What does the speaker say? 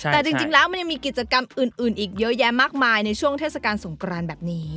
แต่จริงแล้วมันยังมีกิจกรรมอื่นอีกเยอะแยะมากมายในช่วงเทศกาลสงกรานแบบนี้